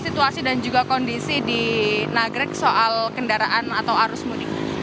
situasi dan juga kondisi di nagrek soal kendaraan atau arus mudik